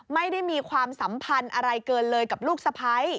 ไม่ได้มีความสัมพันธ์อะไรเกินเลยกับลูกสะพ้าย